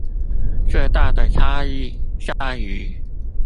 最大的差異在於